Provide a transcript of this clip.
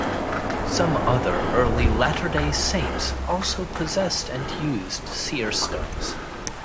Some other early Latter Day Saints also possessed and used seer stones.